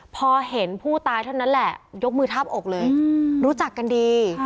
พอเห็นผู้ตายเท่านั้นแหละยกมือทาบอกเลยรู้จักกันดี